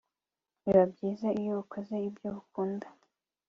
biba byiza iyo ukoze ibyo ukunda